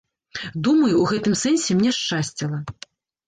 Думаю, у гэтым сэнсе мне шчасціла.